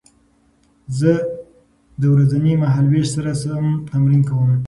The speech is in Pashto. زه د ورځني مهالوېش سره سم تمرین کوم.